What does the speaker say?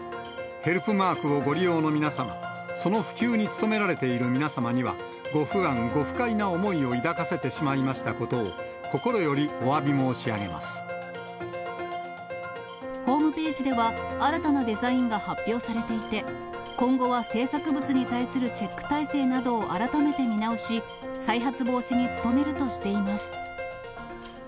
ヘルプマークをご利用の皆様、その普及に努められている皆様には、ご不安・ご不快な思いを抱かせてしまいましたことを、心よりおわホームページでは、新たなデザインが発表されていて、今後は制作物に対するチェック体制などを改めて見直し、再発防止に努めるとしています。